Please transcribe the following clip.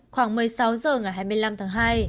khoảng một mươi sáu h ngày hai mươi năm tháng hai